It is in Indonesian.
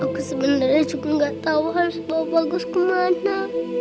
aku sebenernya juga gak tau harus bawa bagus kemana